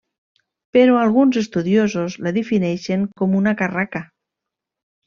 Però alguns estudiosos la defineixen com una carraca.